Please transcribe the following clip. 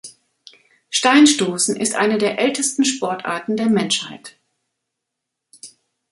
Steinstoßen ist eine der ältesten Sportarten der Menschheit.